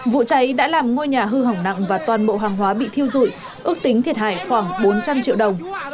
vụ cháy đã làm ngôi nhà hư hỏng nặng và toàn bộ hàng hóa bị thiêu dụi ước tính thiệt hại khoảng bốn trăm linh triệu đồng